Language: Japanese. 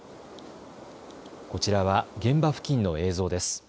こちらは現場付近の映像です。